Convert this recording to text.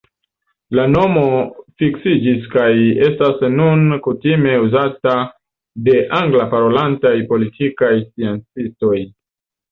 La nomo fiksiĝis kaj estas nun kutime uzata de angla-parolantaj politikaj sciencistoj.